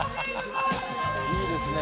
「いいですね」